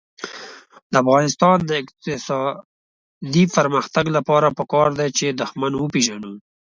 د افغانستان د اقتصادي پرمختګ لپاره پکار ده چې دښمن وپېژنو.